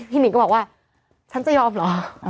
หนิงก็บอกว่าฉันจะยอมเหรอ